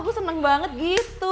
aku seneng banget gitu